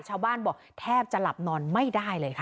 ชาวบ้านบอกแทบจะหลับนอนไม่ได้เลยค่ะ